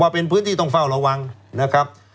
เป็นพื้นที่ต้องเฝ้าระวังนะครับ